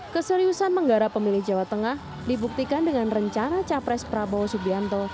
keseriusan menggarap pemilih jawa tengah dibuktikan dengan rencana capres prabowo subianto